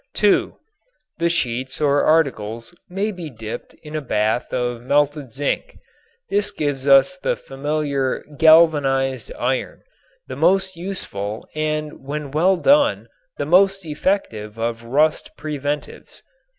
(2) The sheets or articles may be dipped in a bath of melted zinc. This gives us the familiar "galvanized iron," the most useful and when well done the most effective of rust preventives.